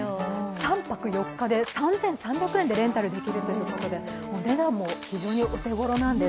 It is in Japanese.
３泊４日で３３００円でレンタルできるということで、お値段も非常にお手ごろなんです。